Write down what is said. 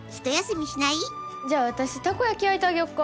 じゃあわたしタコ焼き焼いてあげようか？